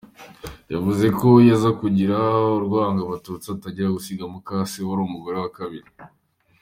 Yavuze ko iyo aza kugirira urwango Abatutsi atari gusiga mukase wari umugore wa kabiri.